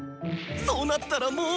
そうなったらもう。